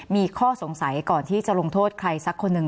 มีข้อสงสัยก่อนที่จะลงโทษใครสักคนหนึ่ง